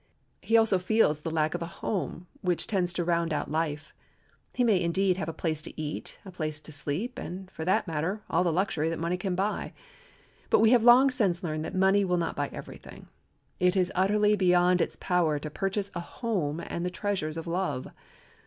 He also feels the lack of a home, which tends to round out life. He may, indeed, have a place to eat, a place to sleep, and, for that matter, all the luxury that money can buy; but we have long since learned that money will not buy every thing. It is utterly beyond its power to purchase a home and the treasures of love.